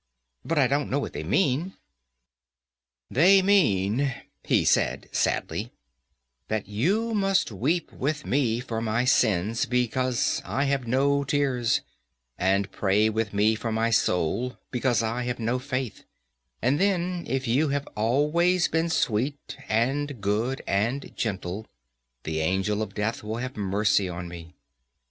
"But I don't know what they mean." "They mean," he said, sadly, "that you must weep with me for my sins, because I have no tears, and pray with me for my soul, because I have no faith, and then, if you have always been sweet, and good, and gentle, the angel of death will have mercy on me.